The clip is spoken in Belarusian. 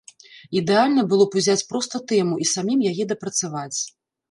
Ідэальна было б узяць проста тэму і самім яе дапрацаваць.